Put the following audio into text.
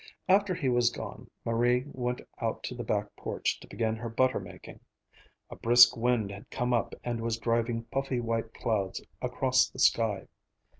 After he was gone, Marie went out to the back porch to begin her butter making. A brisk wind had come up and was driving puffy white clouds across the sky.